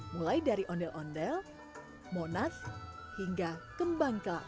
mulai dari ondel ondel monas hingga kembang kelapa